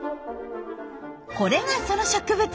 これがその植物。